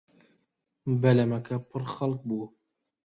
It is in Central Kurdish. بەلەمەکە پڕ خەڵک بوو.